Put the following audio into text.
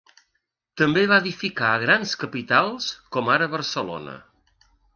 També va edificar a grans capitals, com ara Barcelona.